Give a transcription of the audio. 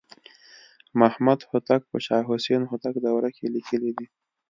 محمدهوتک په شاه حسین هوتک دوره کې لیکلې ده.